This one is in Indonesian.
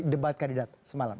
debat kandidat semalam